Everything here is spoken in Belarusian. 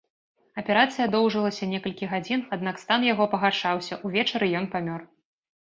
Аперацыя доўжылася некалькі гадзін, аднак стан яго пагаршаўся, увечары ён памёр.